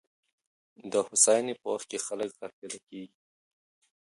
د هوساینې په وخت کي خلګ غافله کیږي.